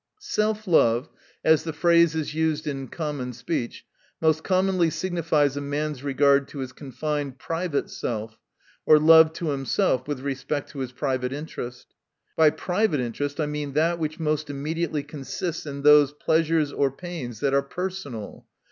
Self love, as the phrase is used in common speech, most commonly sig nifies a man's regard to his confined private self \ or love to himself with respect to his private interest. By private interest I mean that which most immediately consists in those pleasures, or pains, that are personal.